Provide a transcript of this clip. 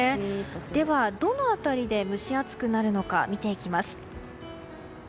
ではどの辺りで蒸し暑くなるのか見ていきます。